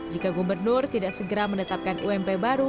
jika gubernur tidak segera menetapkan ump baru